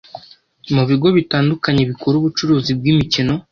mu bigo bitandukanye bikora ubucuruzi bw’imikino